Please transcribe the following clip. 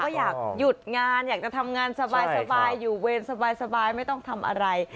ก็อยากหยุดงานอยากจะทำงานสบายอยู่เวรสบายไม่ต้องทำอะไร